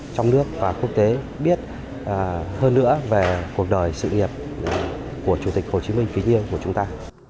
trong nước và quốc tế biết hơn nữa về cuộc đời sự nghiệp của chủ tịch hồ chí minh kính yêu của chúng ta